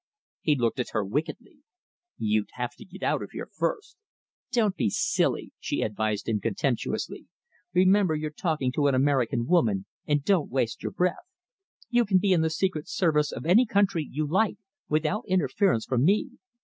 He looked at her wickedly. "You'd have to get out of here first." "Don't be silly," she advised him contemptuously. "Remember you're talking to an American woman and don't waste your breath. You can be in the Secret Service of any country you like, without interference from me.